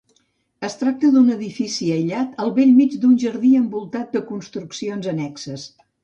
Es tracta d'un edifici aïllat al bell mig d'un jardí envoltat de construccions annexes.